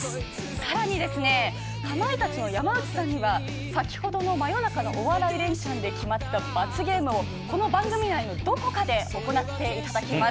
さらにですねかまいたちの山内さんには先ほどの真夜中のお笑いレンチャンで決まった罰ゲームをこの番組内のどこかで行っていただきます。